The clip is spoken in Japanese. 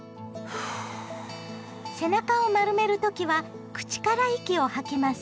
背中を丸める時は口から息を吐きます。